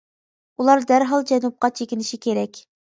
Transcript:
ئۇلار دەرھال جەنۇبقا چېكىنىشى كېرەك.